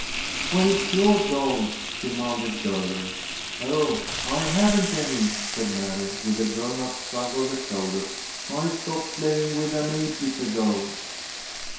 "Where is your doll?" demanded Girlie. "Oh, I haven't any," said Mary, with a grown up shrug of the shoulders. "I stopped playing with them ages ago."